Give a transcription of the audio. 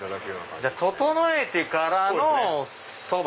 じゃあ整えてからのそば。